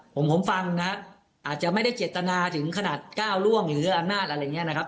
ผมฟังนะอาจจะไม่ได้เจตนาถึงขนาดก้าวล่วงหรืออำนาจอะไรอย่างนี้นะครับ